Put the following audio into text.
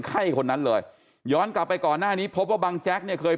ไข้คนนั้นเลยย้อนกลับไปก่อนหน้านี้พบว่าบังแจ๊กเนี่ยเคย